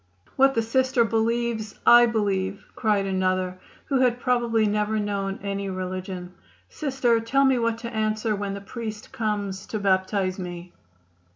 "What the Sister believes, I believe," cried another, who had probably never known any religion. "Sister, tell me what to answer when the priest comes to baptize me."